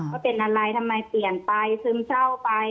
ว่าเป็นอะไรทำไมเปลี่ยนไปซึมเศร้าไป